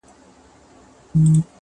چي په مینه دي را بولي د دار سرته-